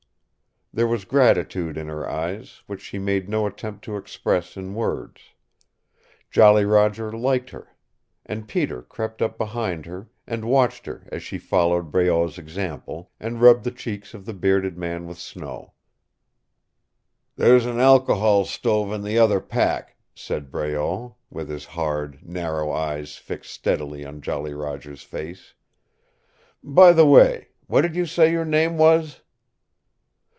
There was gratitude in her eyes, which she made no attempt to express in words. Jolly Roger liked her. And Peter crept up behind her, and watched her as she followed Breault's example, and rubbed the cheeks of the bearded man with snow. "There's an alcohol stove in the other pack," said Breault, with his hard, narrow eyes fixed steadily on Jolly Roger's face. "By the way, what did you say your name was?"